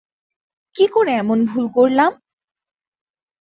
কী করে এমন ভুল করলাম?